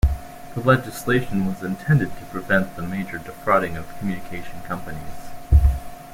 The legislation was intended to prevent the major defrauding of communications companies.